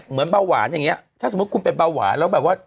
เบาหวานอย่างนี้ถ้าสมมุติคุณเป็นเบาหวานแล้วแบบว่า